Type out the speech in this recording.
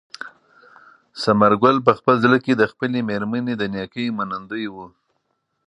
ثمر ګل په خپل زړه کې د خپلې مېرمنې د نېکۍ منندوی و.